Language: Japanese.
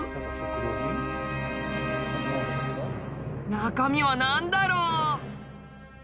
中身は何だろう？